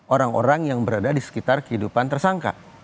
orang orang yang berada di sekitar kehidupan tersangka